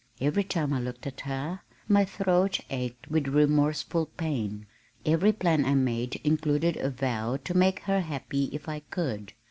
Every time I looked at her my throat ached with remorseful pain. Every plan I made included a vow to make her happy if I could.